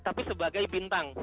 tapi sebagai bintang